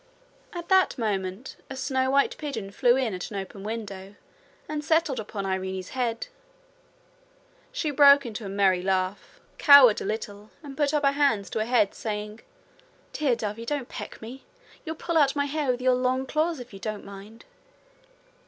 At that moment a snow white pigeon flew in at an open window and settled upon Irene's head. She broke into a merry laugh, cowered a little, and put up her hands to her head, saying: 'Dear dovey, don't peck me. You'll pull out my hair with your long claws if you don't mind.'